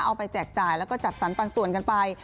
ไปแจกจ่ายแล้วก็จัดสรรปันส่วนกันไป